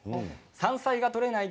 山菜が採れない